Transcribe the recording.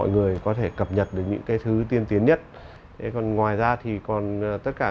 cũng có sự kết nối mật thiết